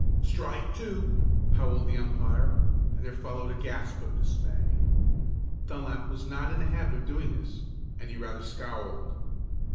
"Strike two!" howled the umpire, and there followed a gasp of dismay. Dunlap was not in the habit of doing this, and he rather scowled.